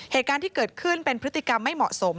เหตุการณ์ที่เกิดขึ้นเป็นพฤติกรรมไม่เหมาะสม